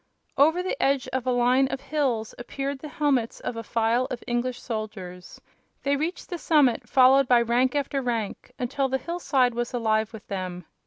Over the edge of a line of hills appeared the helmets of a file of English soldiers. They reached the summit, followed by rank after rank, until the hillside was alive with them.